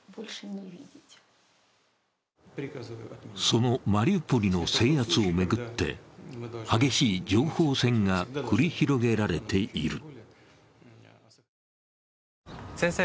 そのマリウポリの制圧を巡って激しい情報戦が繰り広げられている。